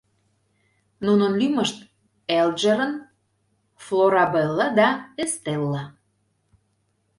— Нунын лӱмышт Элджерон, Флорабелла да Эстелла.